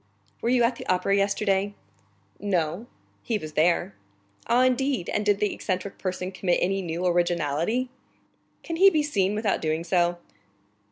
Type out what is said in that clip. "Were you at the Opera yesterday?" "No." "He was there." "Ah, indeed? And did the eccentric person commit any new originality?" "Can he be seen without doing so?